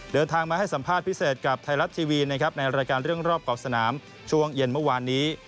เดินทางมาให้สัมภาษณ์พิเศษกับไทยรัฐทีวีนะครับในรายการเรื่องรอบเกาะสนามช่วงเย็นเมื่อวานนี้